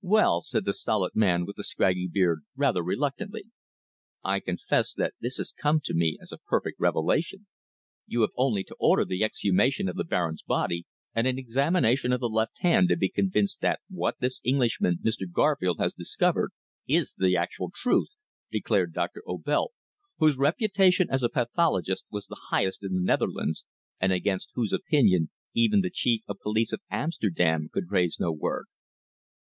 "Well," said the stolid man with the scraggy beard, rather reluctantly, "I confess that this has come to me as a perfect revelation." "You have only to order the exhumation of the Baron's body, and an examination of the left hand, to be convinced that what this Englishman, Mr. Garfield, has discovered is the actual truth!" declared Doctor Obelt, whose reputation as a pathologist was the highest in the Netherlands, and against whose opinion even the Chief of Police of Amsterdam could raise no word.